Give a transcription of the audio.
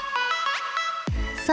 satu porsi mie goba berbeda